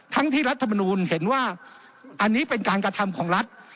ที่รัฐมนูลเห็นว่าอันนี้เป็นการกระทำของรัฐ